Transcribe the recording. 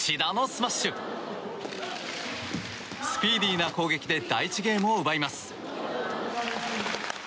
スピーディーな攻撃で第１ゲームを奪います。